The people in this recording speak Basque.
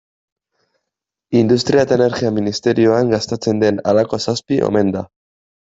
Industria eta Energia ministerioan gastatzen den halako zazpi omen da.